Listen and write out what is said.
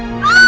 biar gak telat